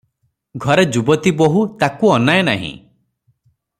ଘରେ ଯୁବତୀ ବୋହୂ, ତାକୁ ଅନାଏ ନାହିଁ ।